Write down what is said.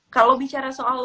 kalau bicara soal